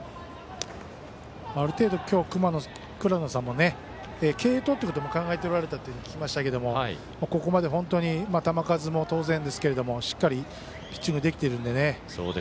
ある程度、今日倉野さんも継投ということも考えておられたと聞きましたけどここまで本当に球数も当然ですけれどもしっかりピッチングできているんでね。